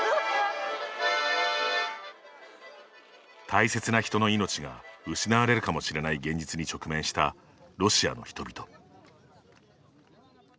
大切な人の命が失われるかもしれない現実に直面したロシアの人々。